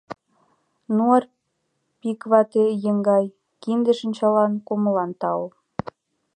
Ну, Арпик вате еҥгай, кинде-шинчаллан, кумыллан тау!